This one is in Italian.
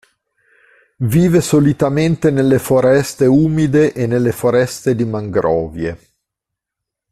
Vive solitamente nelle foreste umide e nelle foreste di mangrovie.